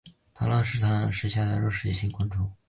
螳䗛是螳䗛目下的肉食性昆虫。